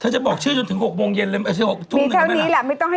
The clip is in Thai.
ชื่ออะไรบ้างนะ